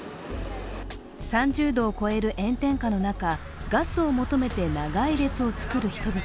３０度を超える炎天下の中、ガスを求めて長い列を作る人々。